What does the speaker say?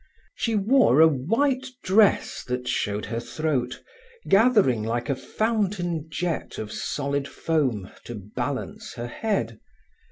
She wore a white dress that showed her throat gathering like a fountain jet of solid foam to balance her head.